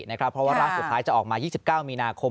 เพราะว่าร่างสุดท้ายจะออกมา๒๙มีนาคม